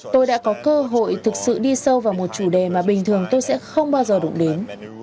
tôi đã có cơ hội thực sự đi sâu vào một chủ đề mà bình thường tôi sẽ không bao giờ đụng đến